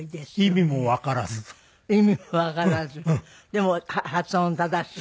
でも発音正しく。